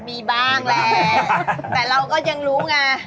มีบ้างแหละแต่เราก็ยังรู้ไง